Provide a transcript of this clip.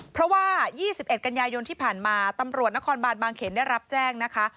เพราะว่า๒๑กันยายนที่ผ่านมาตำรวจนครบานบางเขนได้รับแจ้งนะคะ